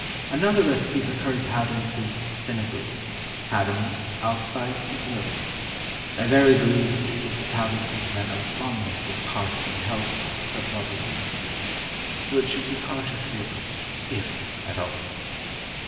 ANOTHER RECIPE for curry powder includes fenugreek, cardamoms, allspice, and cloves; but I verily believe that this was the powder used in that abominable Parsee hell broth, above alluded to, so it should be cautiously approached, if at all.